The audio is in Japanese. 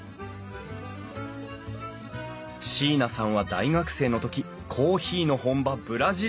椎名さんは大学生の時コーヒーの本場ブラジルへ留学。